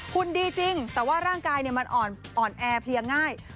ดีจริงแต่ว่าร่างกายมันอ่อนแอเพลียง่าย